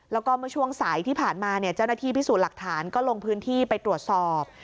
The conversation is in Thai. แล้วก็เมื่อช่วงสายที่ผ่านมาเนี่ยเจ้าหน้าที่พิสูจน์หลักฐานก็ลงพื้นที่ไปตรวจสอบ